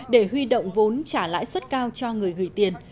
để huy động vốn trả lãi suất cao cho người gửi tiền